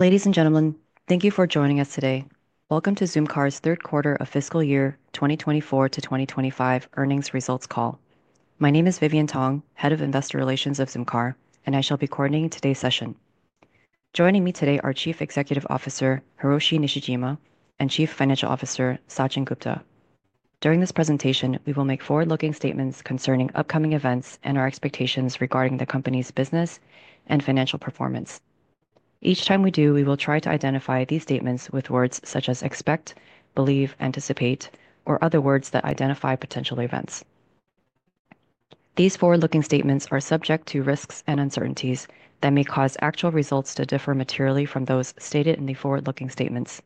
Ladies and gentlemen, thank you for joining us today. Welcome to Zoomcar's Third Quarter of Fiscal Year 2024-2025 Earnings Results Call. My name is Vivian Tong, Head of Investor Relations of Zoomcar, and I shall be coordinating today's session. Joining me today are Chief Executive Officer Hiroshi Nishijima and Chief Financial Officer Sachin Gupta. During this presentation, we will make forward-looking statements concerning upcoming events and our expectations regarding the company's business and financial performance. Each time we do, we will try to identify these statements with words such as expect, believe, anticipate, or other words that identify potential events. These forward-looking statements are subject to risks and uncertainties that may cause actual results to differ materially from those stated in the forward-looking statements.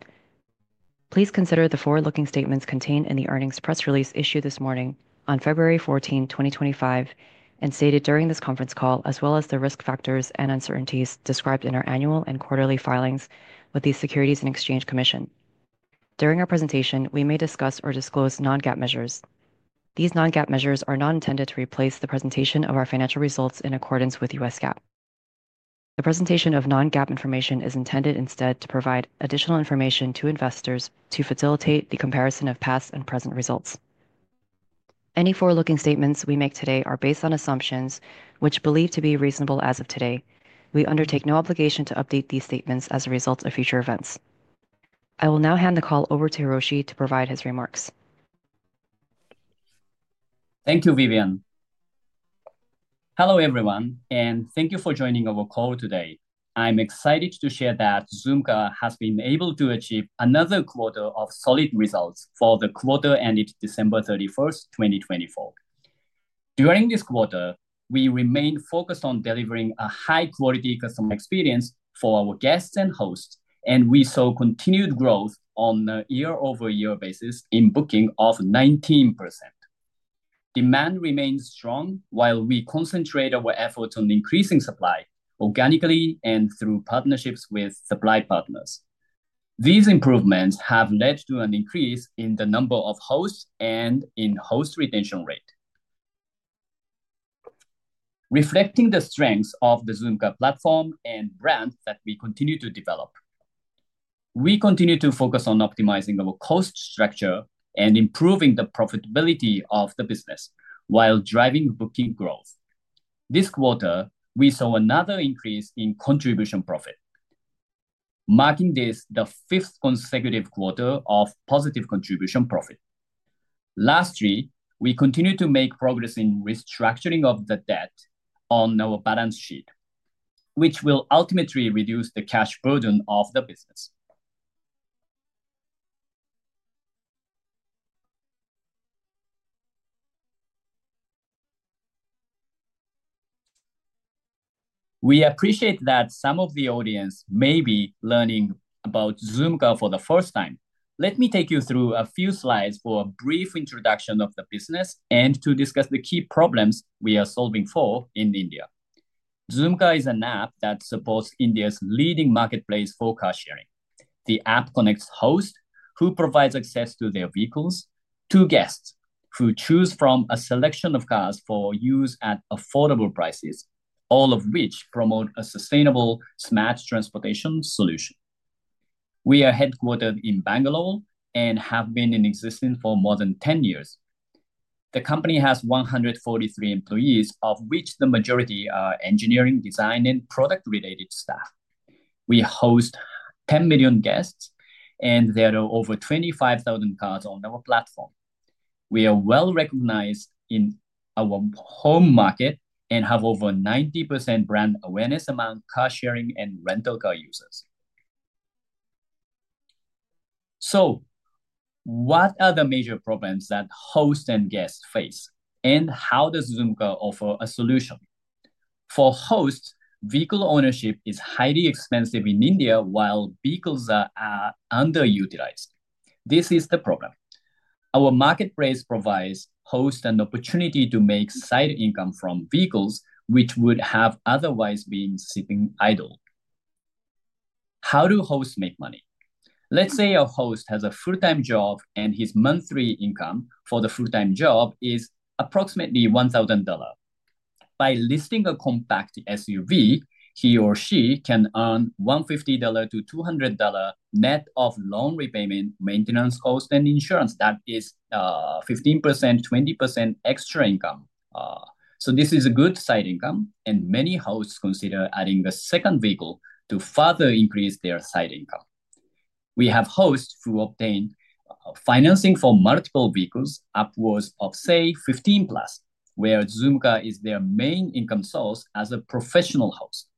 Please consider the forward-looking statements contained in the earnings press release issued this morning on February 14, 2025, and stated during this conference call, as well as the risk factors and uncertainties described in our annual and quarterly filings with the Securities and Exchange Commission. During our presentation, we may discuss or disclose non-GAAP measures. These non-GAAP measures are not intended to replace the presentation of our financial results in accordance with U.S. GAAP. The presentation of non-GAAP information is intended instead to provide additional information to investors to facilitate the comparison of past and present results. Any forward-looking statements we make today are based on assumptions which are believed to be reasonable as of today. We undertake no obligation to update these statements as a result of future events. I will now hand the call over to Hiroshi to provide his remarks. Thank you, Vivian. Hello everyone, and thank you for joining our call today. I'm excited to share that Zoomcar has been able to achieve another quarter of solid results for the quarter ended December 31st, 2024. During this quarter, we remained focused on delivering a high-quality customer experience for our guests and hosts, and we saw continued growth on a year-over-year basis in booking of 19%. Demand remained strong while we concentrated our efforts on increasing supply organically and through partnerships with supply partners. These improvements have led to an increase in the number of hosts and in host retention rate, reflecting the strengths of the Zoomcar platform and brand that we continue to develop. We continue to focus on optimizing our cost structure and improving the profitability of the business while driving booking growth. This quarter, we saw another increase in contribution profit, marking this the fifth consecutive quarter of positive contribution profit. Lastly, we continue to make progress in restructuring of the debt on our balance sheet, which will ultimately reduce the cash burden of the business. We appreciate that some of the audience may be learning about Zoomcar for the first time. Let me take you through a few slides for a brief introduction of the business and to discuss the key problems we are solving for in India. Zoomcar is an app that supports India's leading marketplace for car sharing. The app connects hosts who provide access to their vehicles to guests who choose from a selection of cars for use at affordable prices, all of which promote a sustainable smart transportation solution. We are headquartered in Bangalore and have been in existence for more than 10 years. The company has 143 employees, of which the majority are engineering, design, and product-related staff. We host 10 million guests, and there are over 25,000 cars on our platform. We are well recognized in our home market and have over 90% brand awareness among car sharing and rental car users. What are the major problems that hosts and guests face, and how does Zoomcar offer a solution? For hosts, vehicle ownership is highly expensive in India, while vehicles are underutilized. This is the problem. Our marketplace provides hosts an opportunity to make side income from vehicles, which would have otherwise been sitting idle. How do hosts make money? Let's say a host has a full-time job, and his monthly income for the full-time job is approximately $1,000. By listing a compact SUV, he or she can earn $150-$200 net of loan repayment, maintenance costs, and insurance. That is 15%-20% extra income. This is a good side income, and many hosts consider adding a second vehicle to further increase their side income. We have hosts who obtain financing for multiple vehicles upwards of, say, 15 plus, where Zoomcar is their main income source as a professional host.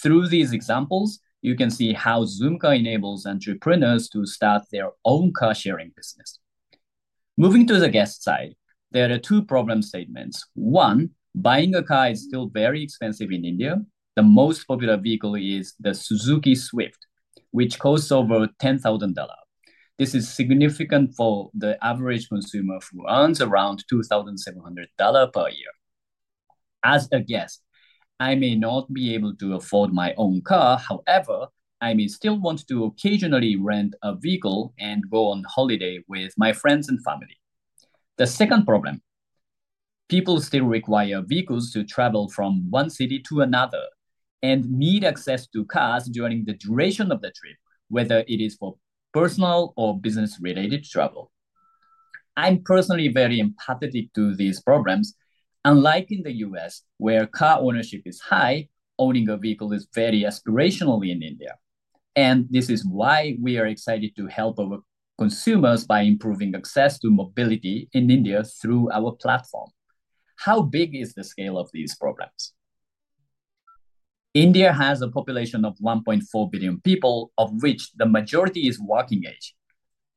Through these examples, you can see how Zoomcar enables entrepreneurs to start their own car sharing business. Moving to the guest side, there are two problem statements. One, buying a car is still very expensive in India. The most popular vehicle is the Suzuki Swift, which costs over $10,000. This is significant for the average consumer who earns around $2,700 per year. As a guest, I may not be able to afford my own car; however, I may still want to occasionally rent a vehicle and go on holiday with my friends and family. The second problem, people still require vehicles to travel from one city to another and need access to cars during the duration of the trip, whether it is for personal or business-related travel. I'm personally very empathetic to these problems. Unlike in the U.S., where car ownership is high, owning a vehicle is very aspirational in India. This is why we are excited to help our consumers by improving access to mobility in India through our platform. How big is the scale of these programs? India has a population of 1.4 billion people, of which the majority is working age.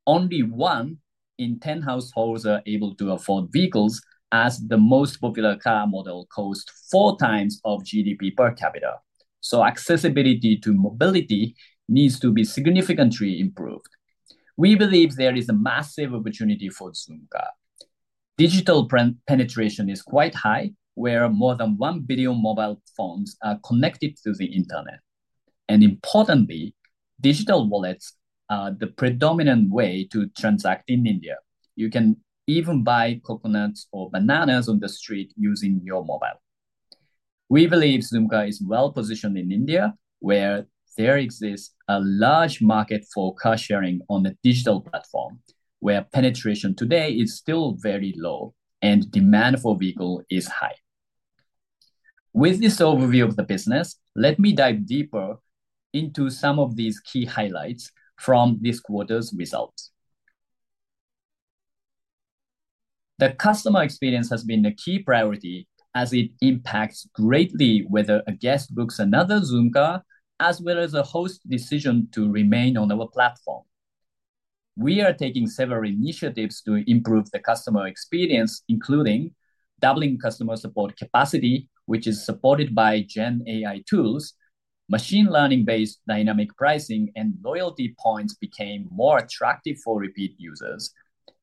Only one in 10 households is able to afford vehicles, as the most popular car model costs four times of GDP per capita. Accessibility to mobility needs to be significantly improved. We believe there is a massive opportunity for Zoomcar. Digital penetration is quite high, where more than 1 billion mobile phones are connected to the internet. Importantly, digital wallets are the predominant way to transact in India. You can even buy coconuts or bananas on the street using your mobile. We believe Zoomcar is well positioned in India, where there exists a large market for car sharing on the digital platform, where penetration today is still very low and demand for vehicles is high. With this overview of the business, let me dive deeper into some of these key highlights from this quarter's results. The customer experience has been a key priority as it impacts greatly whether a guest books another Zoomcar as well as a host's decision to remain on our platform. We are taking several initiatives to improve the customer experience, including doubling customer support capacity, which is supported by GenAI tools, machine learning-based dynamic pricing, and loyalty points became more attractive for repeat users,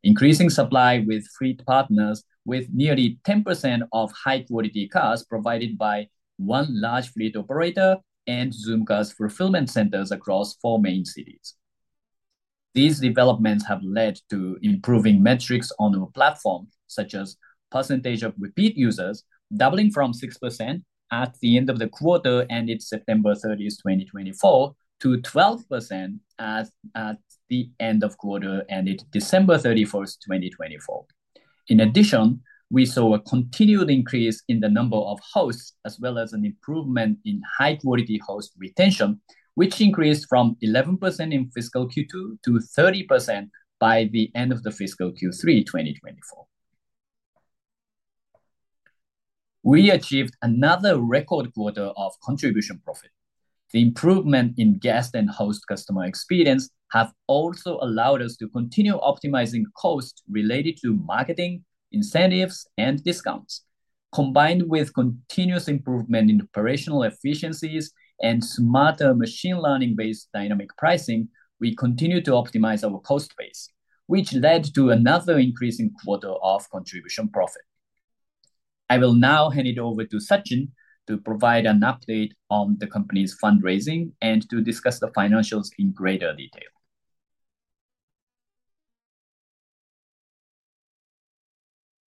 increasing supply with fleet partners with nearly 10% of high-quality cars provided by one large fleet operator and Zoomcar's fulfillment centers across four main cities. These developments have led to improving metrics on our platform, such as the percentage of repeat users doubling from 6% at the end of the quarter ended September 30, 2024, to 12% at the end of the quarter ended December 31st, 2024. In addition, we saw a continued increase in the number of hosts as well as an improvement in high-quality host retention, which increased from 11% in fiscal Q2 to 30% by the end of the fiscal Q3, 2024. We achieved another record quarter of contribution profit. The improvement in guest and host customer experience has also allowed us to continue optimizing costs related to marketing incentives and discounts. Combined with continuous improvement in operational efficiencies and smarter machine learning-based dynamic pricing, we continue to optimize our cost base, which led to another increase in the quarter of contribution profit. I will now hand it over to Sachin to provide an update on the company's fundraising and to discuss the financials in greater detail.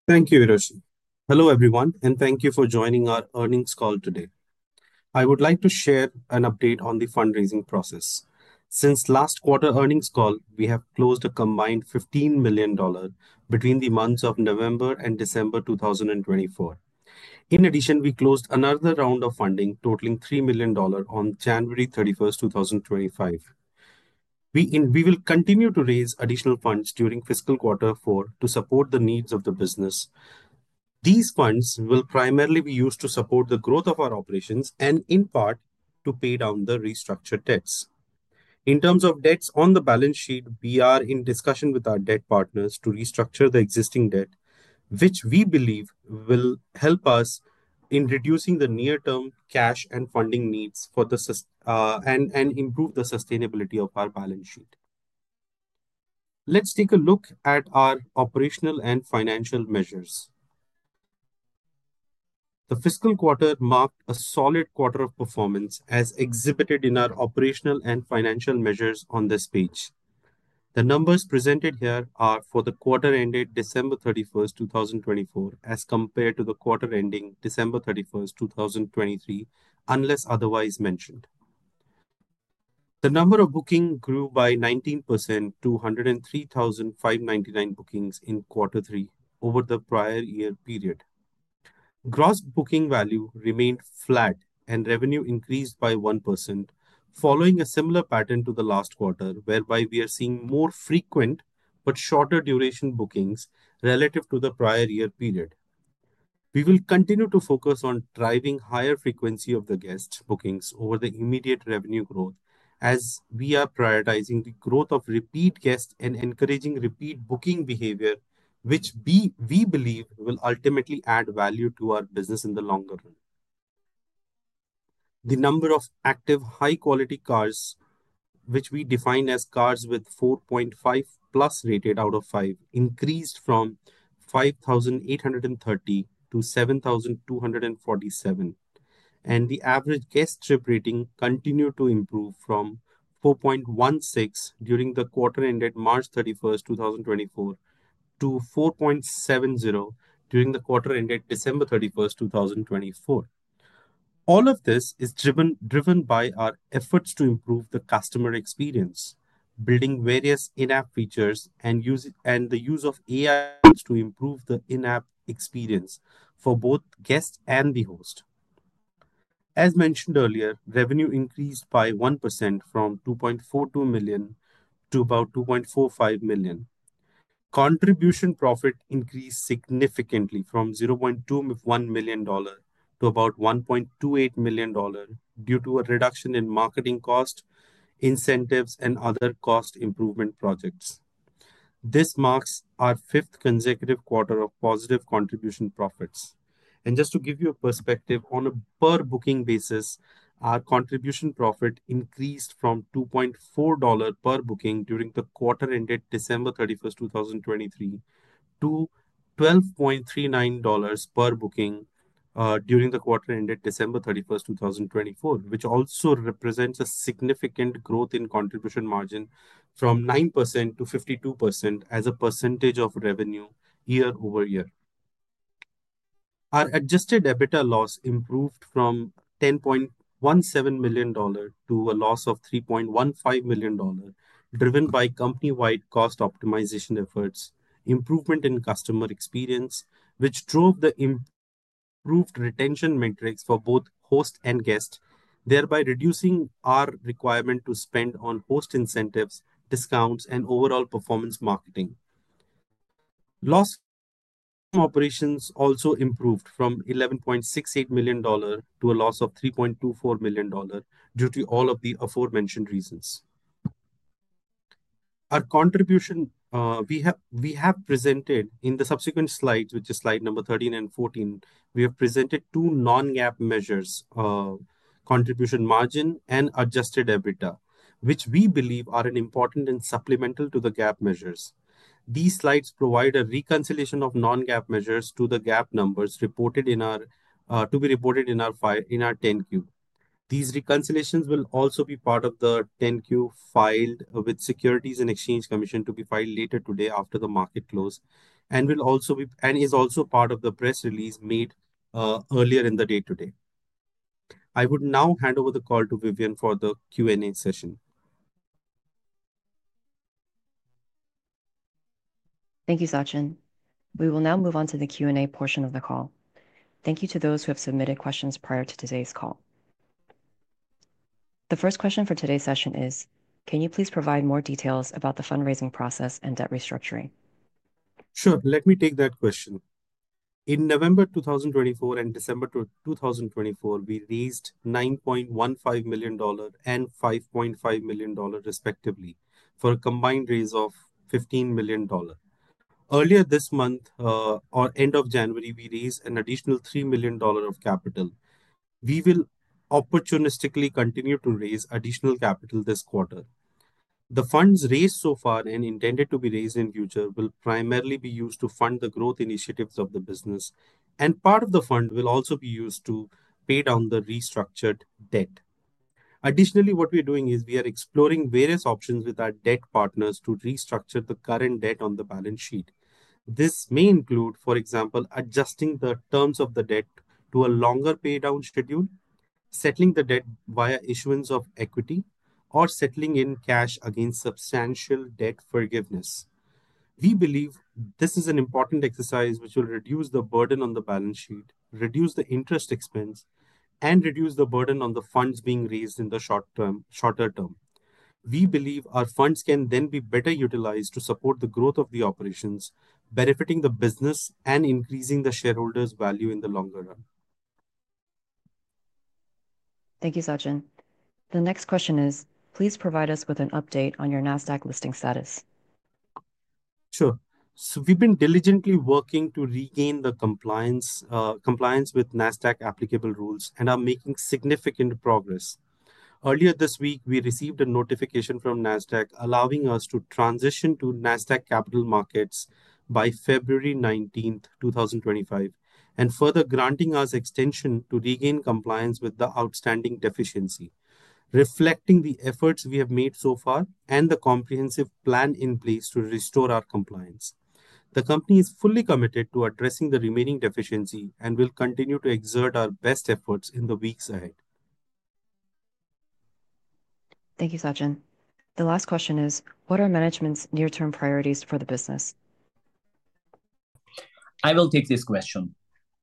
Thank you, Hiroshi. Hello everyone, and thank you for joining our earnings call today. I would like to share an update on the fundraising process. Since last quarter's earnings call, we have closed a combined $15 million between the months of November and December 2024. In addition, we closed another round of funding totaling $3 million on January 31st, 2025. We will continue to raise additional funds during fiscal quarter four to support the needs of the business. These funds will primarily be used to support the growth of our operations and, in part, to pay down the restructured debts. In terms of debts on the balance sheet, we are in discussion with our debt partners to restructure the existing debt, which we believe will help us in reducing the near-term cash and funding needs and improve the sustainability of our balance sheet. Let's take a look at our operational and financial measures. The fiscal quarter marked a solid quarter of performance as exhibited in our operational and financial measures on this page. The numbers presented here are for the quarter ended December 31, 2024, as compared to the quarter ending December 31, 2023, unless otherwise mentioned. The number of bookings grew by 19% to 103,599 bookings in quarter three over the prior year period. Gross booking value remained flat, and revenue increased by 1%, following a similar pattern to the last quarter, whereby we are seeing more frequent but shorter-duration bookings relative to the prior year period. We will continue to focus on driving a higher frequency of the guest bookings over the immediate revenue growth, as we are prioritizing the growth of repeat guests and encouraging repeat booking behavior, which we believe will ultimately add value to our business in the longer run. The number of active high-quality cars, which we define as cars with 4.5 plus rated out of five, increased from 5,830-7,247. The average guest trip rating continued to improve from 4.16 during the quarter ended March 31, 2024, to 4.70 during the quarter ended December 31, 2024. All of this is driven by our efforts to improve the customer experience, building various in-app features and the use of AI to improve the in-app experience for both guests and the host. As mentioned earlier, revenue increased by 1% from $2.42 million to about $2.45 million. Contribution profit increased significantly from $0.21 million to about $1.28 million due to a reduction in marketing costs, incentives, and other cost improvement projects. This marks our fifth consecutive quarter of positive contribution profits. Just to give you a perspective, on a per-booking basis, our contribution profit increased from $2.4 per booking during the quarter ended December 31st, 2023, to $12.39 per booking during the quarter ended December 31, 2024, which also represents a significant growth in contribution margin from 9% to 52% as a percentage of revenue year over year. Our adjusted EBITDA loss improved from $10.17 million to a loss of $3.15 million, driven by company-wide cost optimization efforts, improvement in customer experience, which drove the improved retention metrics for both hosts and guests, thereby reducing our requirement to spend on host incentives, discounts, and overall performance marketing. Loss from operations also improved from $11.68 million to a loss of $3.24 million due to all of the aforementioned reasons. Our contribution we have presented in the subsequent slides, which is slide number 13 and 14, we have presented two non-GAAP measures, contribution margin and adjusted EBITDA, which we believe are important and supplemental to the GAAP measures. These slides provide a reconciliation of non-GAAP measures to the GAAP numbers reported in our to be reported in our Form 10-Q. These reconciliations will also be part of the Form 10-Q filed with Securities and Exchange Commission to be filed later today after the market close, and will also be and is also part of the press release made earlier in the day today. I would now hand over the call to Vivian for the Q&A session. Thank you, Sachin. We will now move on to the Q&A portion of the call. Thank you to those who have submitted questions prior to today's call. The first question for today's session is, can you please provide more details about the fundraising process and debt restructuring? Sure. Let me take that question. In November 2024 and December 2024, we raised $9.15 million and $5.5 million, respectively, for a combined raise of $15 million. Earlier this month, or end of January, we raised an additional $3 million of capital. We will opportunistically continue to raise additional capital this quarter. The funds raised so far and intended to be raised in future will primarily be used to fund the growth initiatives of the business, and part of the fund will also be used to pay down the restructured debt. Additionally, what we are doing is we are exploring various options with our debt partners to restructure the current debt on the balance sheet. This may include, for example, adjusting the terms of the debt to a longer paydown schedule, settling the debt via issuance of equity, or settling in cash against substantial debt forgiveness. We believe this is an important exercise which will reduce the burden on the balance sheet, reduce the interest expense, and reduce the burden on the funds being raised in the shorter term. We believe our funds can then be better utilized to support the growth of the operations, benefiting the business and increasing the shareholders' value in the longer run. Thank you, Sachin. The next question is, please provide us with an update on your NASDAQ listing status. Sure. We have been diligently working to regain the compliance with NASDAQ applicable rules and are making significant progress. Earlier this week, we received a notification from NASDAQ allowing us to transition to NASDAQ Capital Markets by February 19th, 2025, and further granting us extension to regain compliance with the outstanding deficiency, reflecting the efforts we have made so far and the comprehensive plan in place to restore our compliance. The company is fully committed to addressing the remaining deficiency and will continue to exert our best efforts in the weeks ahead. Thank you, Sachin. The last question is, what are management's near-term priorities for the business? I will take this question.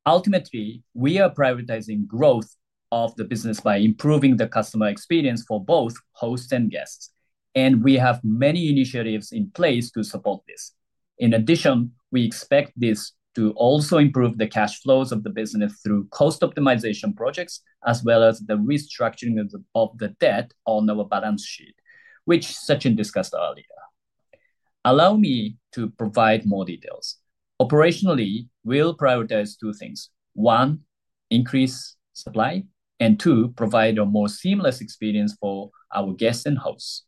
Ultimately, we are prioritizing growth of the business by improving the customer experience for both hosts and guests, and we have many initiatives in place to support this. In addition, we expect this to also improve the cash flows of the business through cost optimization projects as well as the restructuring of the debt on our balance sheet, which Sachin discussed earlier. Allow me to provide more details. Operationally, we'll prioritize two things. One, increase supply, and two, provide a more seamless experience for our guests and hosts.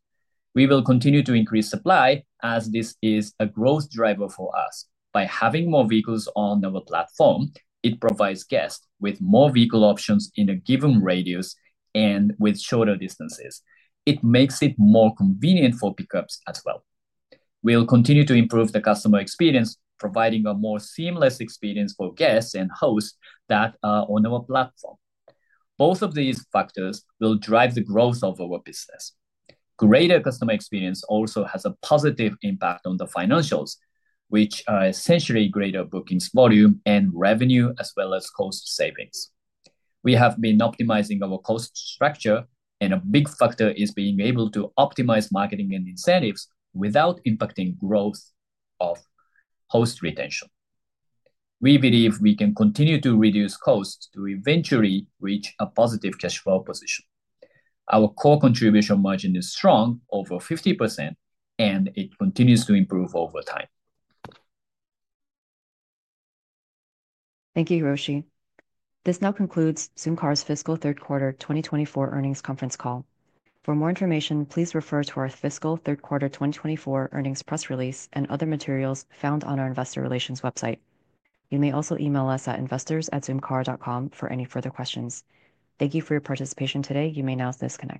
We will continue to increase supply as this is a growth driver for us. By having more vehicles on our platform, it provides guests with more vehicle options in a given radius and with shorter distances. It makes it more convenient for pickups as well. We'll continue to improve the customer experience, providing a more seamless experience for guests and hosts that are on our platform. Both of these factors will drive the growth of our business. Greater customer experience also has a positive impact on the financials, which are essentially greater bookings volume and revenue as well as cost savings. We have been optimizing our cost structure, and a big factor is being able to optimize marketing and incentives without impacting the growth of host retention. We believe we can continue to reduce costs to eventually reach a positive cash flow position. Our core contribution margin is strong, over 50%, and it continues to improve over time. Thank you, Hiroshi. This now concludes Zoomcar's Fiscal Third Quarter 2024 Earnings Conference Call. For more information, please refer to our Fiscal Third Quarter 2024 Earnings Press Release and other materials found on our Investor Relations website. You may also email us at investors@zoomcar.com for any further questions. Thank you for your participation today. You may now disconnect.